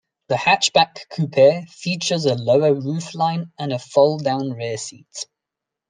The hatchback coupe features a lower roofline and a fold-down rear seat.